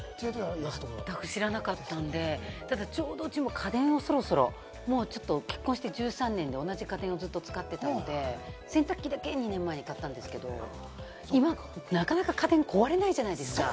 全く知らなかったので、ただ、ちょうどうちも家電をそろそろ結婚して１３年で同じ家電をずっと使っていたので、洗濯機だけ２年前に買ったんですけど、今、なかなか家電って壊れないじゃないですか。